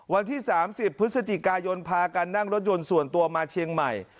วันที่๓๐พฤศจิกายนพากันนั่งรถยนต์ส่วนตัวมาเชียงใหม่